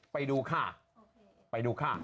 ไปดูค่ะไปดูค่ะ